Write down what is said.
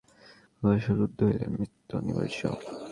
ভালবাসা রুদ্ধ হইলে মৃত্যু অনিবার্য।